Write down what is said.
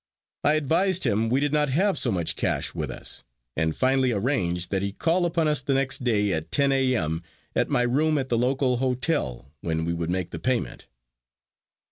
I advised him we did not have so much cash with us, and finally arranged that he call upon us the next day at 10 a. m. at my room at the local hotel, when we would make the payment.